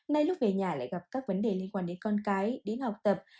nay lúc về nhà lại gặp các vấn đề liên quan đến con cái đến học tập